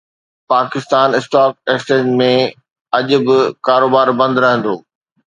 Pakistan stock exchange ۾ اڄ به ڪاروبار بند رهندو